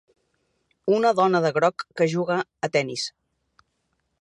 una dona de groc que juga a tenis